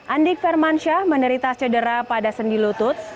andik fermansyah menerita cedera pada sendi lutut